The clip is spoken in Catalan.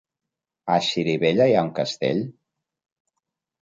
A Xirivella hi ha un castell?